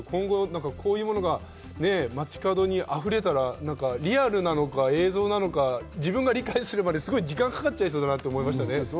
こういうものが街角にあふれたら、リアルなのか映像なのか自分が理解するまでに時間がかかっちゃいますよね。